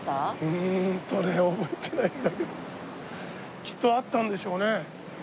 うーんとね覚えてないんだけどきっとあったんでしょうね。